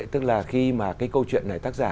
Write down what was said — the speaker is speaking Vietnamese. tức là khi mà cái câu chuyện này tác giả